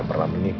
gak pernah menikah